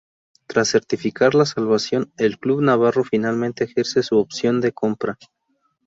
Tras certificar la salvación, el club navarro finalmente ejerce su opción de compra.